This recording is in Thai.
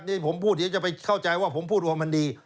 ที่ผมพูดเดี๋ยวจะไปเข้าใจว่าผมพูดว่ามันดี